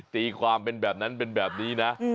ตีความเป็นแบบนั้นเป็นแบบนี้นะ